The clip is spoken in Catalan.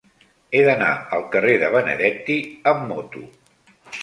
He d'anar al carrer de Benedetti amb moto.